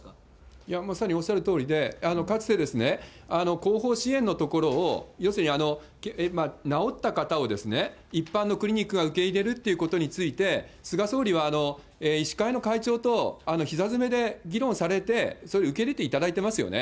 いや、まさにおっしゃるとおりで、かつて後方支援のところを、要するに、治った方を一般のクリニックが受け入れるっていうことについて、菅総理は医師会の会長と、ひざ詰めで議論されて、それ、受け入れていただいてますよね。